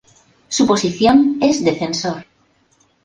Su posición es defensor.